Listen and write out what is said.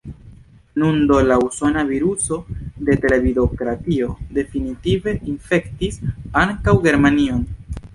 Nun do la usona viruso de televidokratio definitive infektis ankaŭ Germanion.